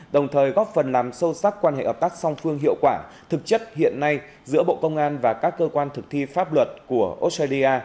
đồng thời góp phần làm sâu sắc quan hệ hợp tác song phương hiệu quả thực chất hiện nay giữa bộ công an và các cơ quan thực thi pháp luật của australia